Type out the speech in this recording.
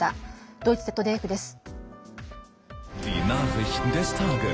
ドイツＺＤＦです。